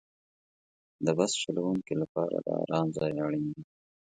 د بس چلوونکي لپاره د آرام ځای اړین دی.